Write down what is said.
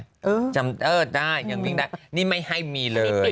เออจำเออได้ยังวิ่งได้นี่ไม่ให้มีเลย